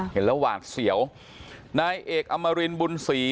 เห็นระหว่างเสี่ยวนายเอกอัมรินบุญศรี